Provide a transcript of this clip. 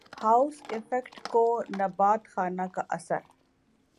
house effect کو نبات خانہ کا اثر